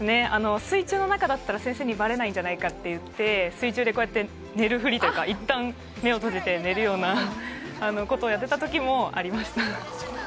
水中の中だったら先生にばれないんじゃないかって、水中で寝るふりとか、いったん目を閉じて寝るようなことをやっていた時もありました。